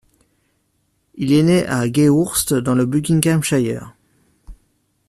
Il est né à Gayhurst dans le Buckinghamshire.